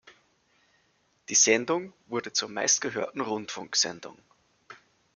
Die Sendung wurde zur meistgehörten Rundfunksendung.